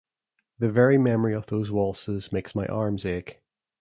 The very memory of those waltzes makes my arms ache.